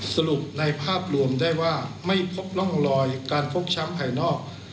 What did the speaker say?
สรุปในภาพรวมได้ว่าไม่พบร่องรอยการฟกช้ำภายนอก